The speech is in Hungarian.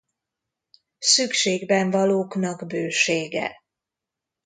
Szükségben valóknak bősége.